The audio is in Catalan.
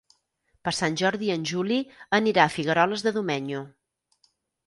Per Sant Jordi en Juli anirà a Figueroles de Domenyo.